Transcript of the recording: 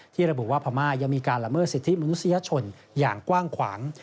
ระบุว่าพม่ายังมีการละเมิดสิทธิมนุษยชนอย่างกว้างขวาง